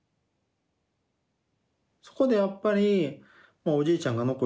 そこでやっぱりおじいちゃんが残した言葉